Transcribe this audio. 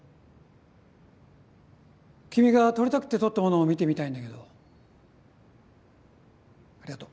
君が撮りたくて撮ったものを見てみたいんだけどありがとう